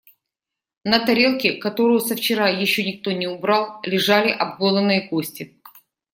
На тарелке, которую со вчера ещё никто не убрал, лежали обглоданные кости.